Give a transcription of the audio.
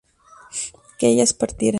que ellas partieran